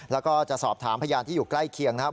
แล้วก็จะสอบถามพยานที่อยู่ใกล้เคียงนะครับ